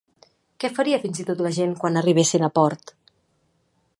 Què faria fins i tot la gent quan arribessin a port?